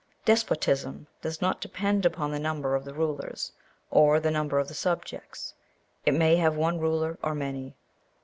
Despotism does not depend upon the number of the rulers, or the number of the subjects. It may have one ruler or many.